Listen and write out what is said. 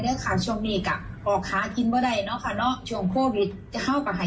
หมายต้องโปะหมายต้องว่าบ้า